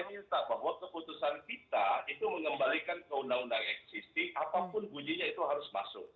ini yang saya minta bahwa keputusan kita itu mengembalikan ke undang undang eksisting apapun kunjinya itu harus masuk